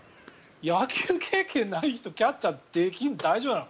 野球経験ない人キャッチャーできんの？